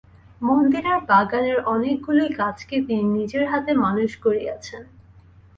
মন্দিরের বাগানের অনেকগুলি গাছকে তিনি নিজের হাতে মানুষ করিয়াছেন।